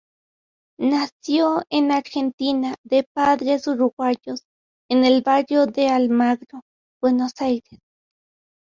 Nació en Argentina de padres uruguayos, en el barrio de Almagro, Buenos Aires.